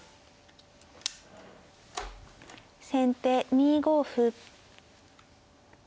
先手２五歩。